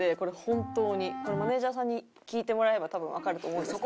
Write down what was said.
これマネジャーさんに聞いてもらえれば多分わかると思うんですけど。